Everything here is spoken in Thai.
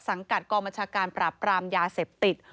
สังกัดกรมชาการปราบกรามยาเสพติด